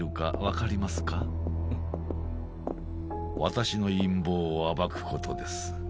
私の陰謀を暴くことです。